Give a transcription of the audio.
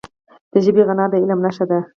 د ژبي غنا د علم نښه ده.